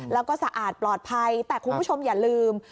แล้วก็สะอาดปลอดภัยแต่คุณผู้ชมอย่าลืม